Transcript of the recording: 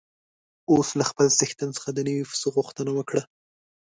اوښ له خپل څښتن څخه د نوي پسه غوښتنه وکړه.